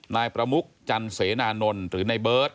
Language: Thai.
นายประมุกจันเสนานนท์หรือในเบิร์ต